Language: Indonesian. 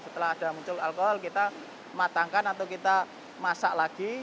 setelah ada muncul alkohol kita matangkan atau kita masak lagi